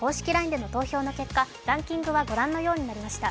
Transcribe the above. ＬＩＮＥでの投票の結果、ランキングはご覧のようになりました。